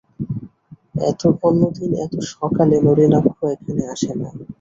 অন্যদিন এত সকালে নলিনাক্ষ এখানে আসে না।